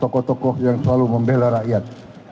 tokoh tokoh yang selalu membela rakyat